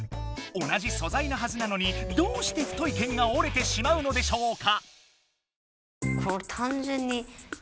同じそざいなはずなのにどうして太い剣が折れてしまうのでしょうか？